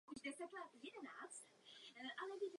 Pohřben je v Nové Pace.